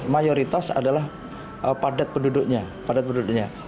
mayoritas adalah padat penduduknya